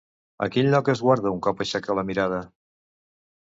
A quin lloc esguarda un cop aixeca la mirada?